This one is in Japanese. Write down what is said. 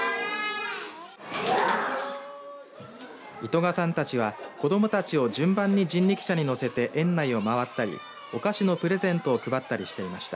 糸賀さんたちは子どもたちを順番に人力車に乗せて園内を回ったりお菓子のプレゼントを配ったりしていました。